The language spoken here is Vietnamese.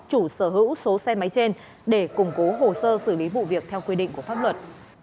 chủ sở hữu số xe máy trên để củng cố hồ sơ xử lý vụ việc theo quy định của pháp luật